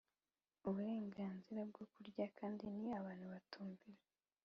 Uburenganzira bwo kurya no kandi ni abantu batumvira